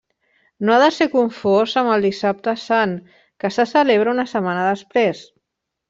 No ha de ser confós amb el Dissabte Sant, que se celebra una setmana després.